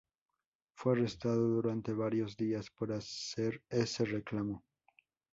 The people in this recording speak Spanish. Fue arrestado durante varios días por hacer ese reclamo.